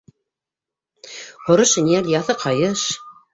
Һоро шинель, яҫы ҡайыш